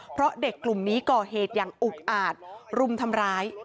เพราะเด็กกลุ่มนี้ก่อเหตุอย่างอุกอาจรุมทำร้าย